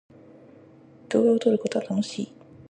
動画を撮ることは楽しい。